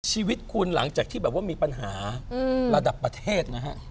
ชีวิตคุณหลังจากที่แบบว่ามีปัญหาระดับประเทศนะฮะ